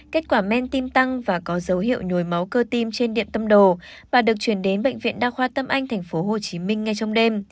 kết quả men tim tăng và có dấu hiệu nhồi máu cơ tim trên điện tâm đồ và được chuyển đến bệnh viện đa khoa tâm anh tp hcm ngay trong đêm